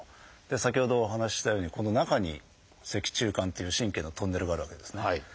先ほどお話ししたようにこの中に脊柱管っていう神経のトンネルがあるわけですね。